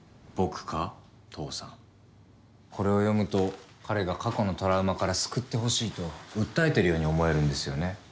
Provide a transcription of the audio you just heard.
これを読むと彼が過去のトラウマから救ってほしいと訴えてるように思えるんですよね。